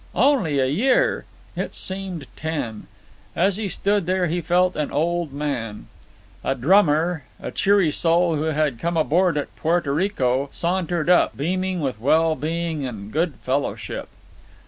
Only a year! It seemed ten. As he stood there he felt an old man. A drummer, a cheery soul who had come aboard at Porto Rico, sauntered up, beaming with well being and good fellowship.